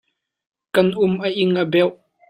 Kan um a ing a beuh.